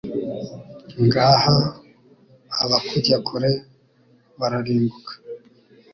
Ngaha abakujya kure bararimbuka